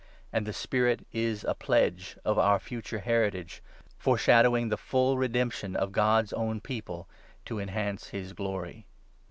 And the Spirit is a pledge of our future heritage, 14 fore shadowing the full redemption of God's own People — to enhance his Glory.